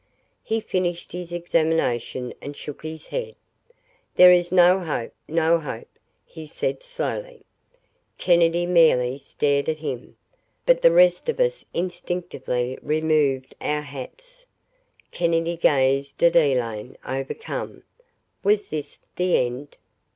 He finished his examination and shook his head. "There is no hope no hope," he said slowly. Kennedy merely stared at him. But the rest of us instinctively removed our hats. Kennedy gazed at Elaine, overcome. Was this the end?